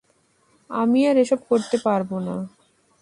আমি আর এসব করতে পারবো না।